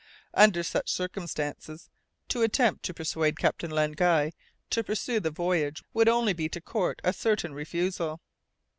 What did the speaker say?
Under such circumstances, to attempt to persuade Captain Len Guy to pursue the voyage would only be to court a certain refusal.